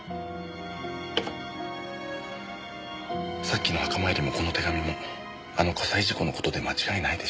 さっきの墓参りもこの手紙もあの火災事故の事で間違いないでしょうね。